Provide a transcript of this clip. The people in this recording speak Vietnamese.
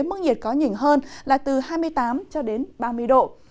mức nhiệt có nhỉnh hơn là từ hai mươi tám ba mươi độ